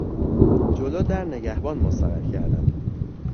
جلو در نگهبان مستقر کردن